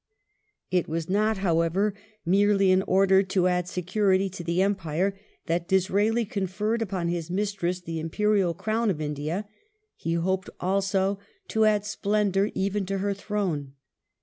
The mon It was not, however, merely in order to " add security to the reviv^^ Empire " that Disraeli confeiTed upon his Mistress the ImperieJ Crown of India; he hoped also to "add splendour even to her throne